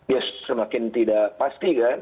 ya semakin tidak pasti kan